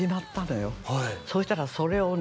よそうしたらそれをね